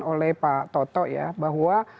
oleh pak toto ya bahwa